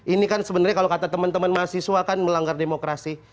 ini kan sebenarnya kalau kata teman teman mahasiswa kan melanggar demokrasi